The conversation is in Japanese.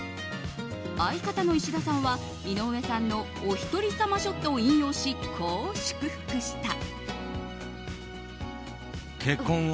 相方の石田さんは、井上さんのおひとり様ショットを引用しこう祝福した。